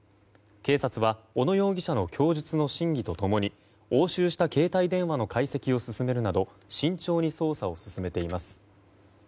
警察は、小野容疑者の供述の真偽と共に押収した携帯電話の解析を進めるなど慎重に捜査を進めています。